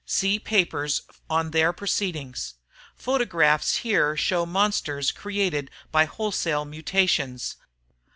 see papers on their proceedings ... photographs here show monsters created by wholesale mutations